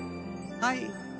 はい。